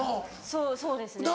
そうそうですね。